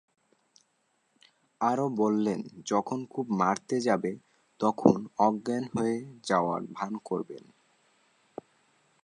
আরও বললেন, যখন খুব মারতে যাবে, তখন অজ্ঞান হয়ে যাওয়ার ভান করবেন।